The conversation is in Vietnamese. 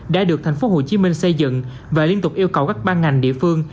đã được thành phố hồ chí minh xây dựng và liên tục yêu cầu các ban ngành địa phương